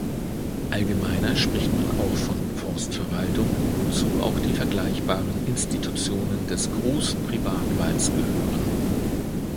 Allgemeiner spricht man auch von "Forstverwaltung", wozu auch die vergleichbaren Institutionen des Groß-Privatwalds gehören.